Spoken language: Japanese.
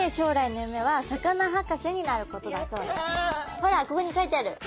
ほらここに書いてある。